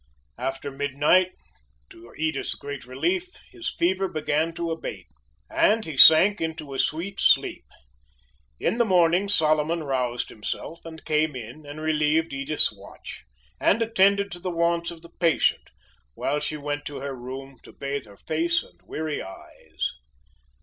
After midnight, to Edith's great relief, his fever began to abate, and he sank into a sweet sleep. In the morning Solomon roused himself, and came in and relieved Edith's watch, and attended to the wants of the patient, while she went to her room to bathe her face and weary eyes.